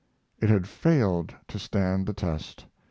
It had failed to stand the test.